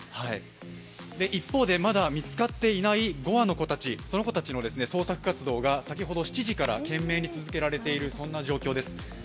一方で、まだ見つかっていない５羽の子たち、その子たちの捜索活動が先ほど７時から懸命に続けられている状況です。